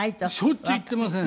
しょっちゅう行っていません。